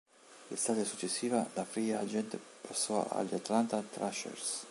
L'estate successiva da free agent passò agli Atlanta Thrashers.